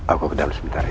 aku ke dalam sebentar ya